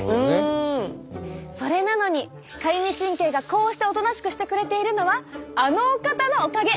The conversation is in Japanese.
それなのにかゆみ神経がこうしておとなしくしてくれているのはあのお方のおかげ！